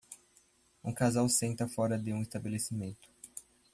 Um casal senta fora de um estabelecimento.